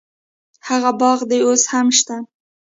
هغه باغ دې اوس هم شته.